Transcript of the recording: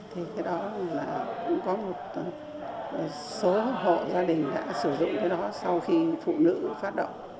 thì cái đó là cũng có một số hộ gia đình đã sử dụng cái đó sau khi phụ nữ phát động